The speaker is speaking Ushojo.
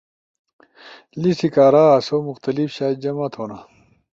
لیسی کارا آسو مخلتف شائی جمع تھونا